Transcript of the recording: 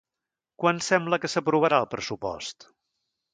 Quan sembla que s'aprovarà el pressupost?